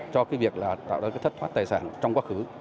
cho việc tạo ra thất thoát tài sản trong quá khứ